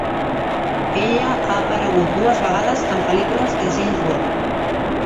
Ella ha aparegut dues vegades en pel·lícules de James Bond.